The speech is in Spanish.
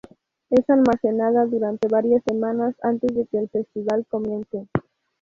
Es almacenada durante varias semanas antes de que el festival comience.